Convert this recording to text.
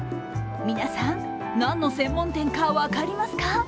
皆さん、何の専門店か分かりますか？